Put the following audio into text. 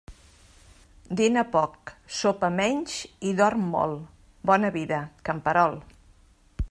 Dina poc, sopa menys i dorm molt, bona vida, camperol.